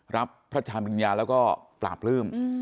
พระชามิญญาแล้วก็ปราบปลื้ม